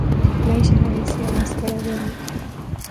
Maisha halisi ya Vasco da Gama